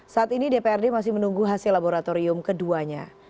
saat ini dprd masih menunggu hasil laboratorium keduanya